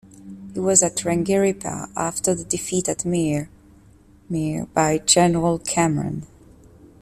He was at Rangiriri Pa after the defeat at Mere mere by General Cameron.